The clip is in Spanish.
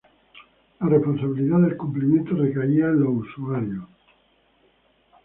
la responsabilidad del cumplimiento recaía en los usuarios